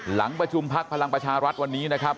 หลังประชุมพักพลังประชารัฐวันนี้นะครับ